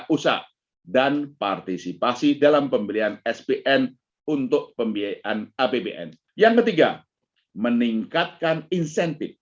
pusat dan partisipasi dalam pemberian spn untuk pembiayaan apbn yang ketiga meningkatkan insentif